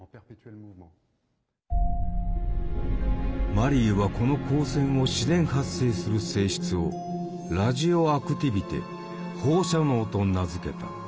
マリーはこの「光線を自然発生する性質」を「ラジオアクティビテ放射能」と名付けた。